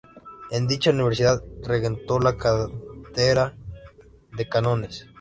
En dicha universidad regentó la cátedra de Cánones.